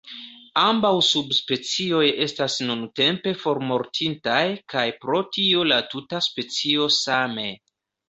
Ambaŭ subspecioj estas nuntempe formortintaj kaj pro tio la tuta specio same.